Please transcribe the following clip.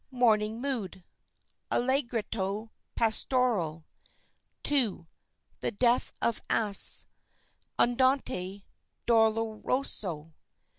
MORNING MOOD (Allegretto pastorale) 2. THE DEATH OF AASE (Andante doloroso) 3.